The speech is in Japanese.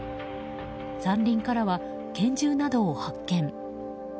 山林からは拳銃などを発見。